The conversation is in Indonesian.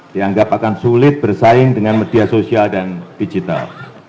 dianggap akan sulit bersaing dengan media sosial dan digital